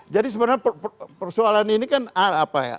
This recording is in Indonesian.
jadi sebenarnya persoalan ini kan apa ya